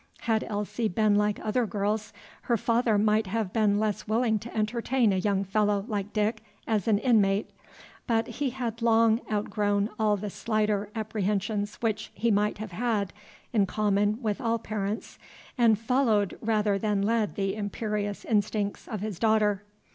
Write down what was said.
Had Elsie been like other girls, her father might have been less willing to entertain a young fellow like Dick as an inmate; but he had long outgrown all the slighter apprehensions which he might have had in common with all parents, and followed rather than led the imperious instincts of his daughter.